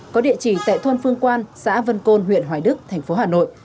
có địa chỉ tại thôn phương quan xã vân côn huyện hoài đức thành phố hà nội